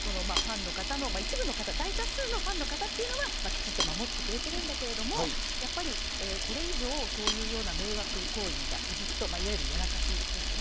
大多数のファンの方はきちんと守ってくれているんだけどこれ以上そういう迷惑行為が続くといわゆる、やらかしです。